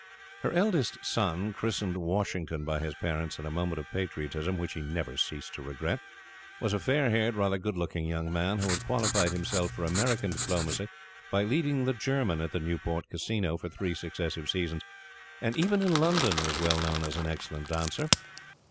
Her eldest son, christened Washington by his parents in a moment of patriotism, which he never ceased to regret, was a fair haired, rather good looking young man, who had qualified himself for American diplomacy by leading the German at the Newport Casino for three successive seasons, and even in London was well known as an excellent dancer.